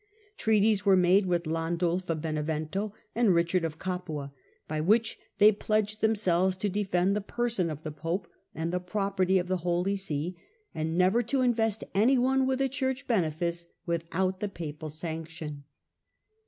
Treaties were made with Landulf of Benevento, and Richard of Capua, by which they pledged themselves to defend the person of the pope, and the property of the Holy See, and never to invest anyone with a church benefice without the papal sanction.